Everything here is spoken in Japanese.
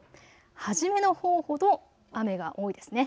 初めのほうほど雨が多いですね。